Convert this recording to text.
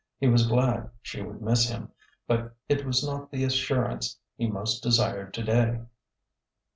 He was glad she would miss him, but it was not the as surance he most desired to day.